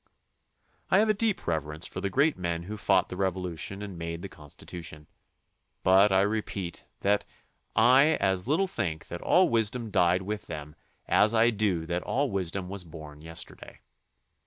I have a deep reverence for the great men who fought the Revolution and made the Constitution, but I re peat that I as little think that all wisdom died with them as I do that all wisdom was born yesterday.